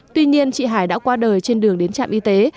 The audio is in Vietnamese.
tuy nhiên chị hải đã qua đời trên đường đến trạm y tế